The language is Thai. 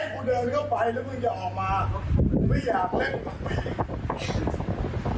มึงไม่อยากเล่นกับพี่